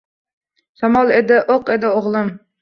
Shamol edi, o’q edi o’g’lim